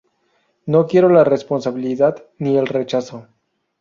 No quiero la responsabilidad ni el rechazo.